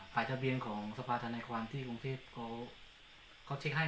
ฝ่ายทะเบียนของสภาธนาความที่กรุงเทพเขาเช็คให้